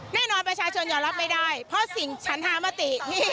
ประชาชนยอมรับไม่ได้เพราะสิ่งฉันธามติ